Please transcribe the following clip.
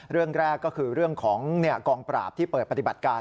เรื่องแรกก็คือเรื่องของกองปราบที่เปิดปฏิบัติการ